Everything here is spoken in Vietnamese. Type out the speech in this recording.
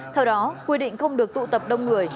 theo đó quy định không được tụ tập đông người